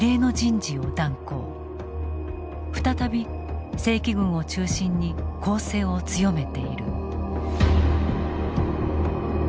再び正規軍を中心に攻勢を強めている。